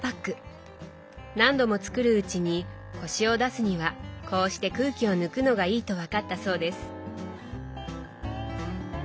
何度も作るうちにコシを出すにはこうして空気を抜くのがいいと分かったそうです。